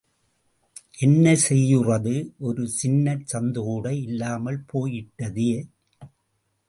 என்ன செய்யுறது... ஒரு சின்னச் சந்துகூட இல்லாமல் போயிட்டதே.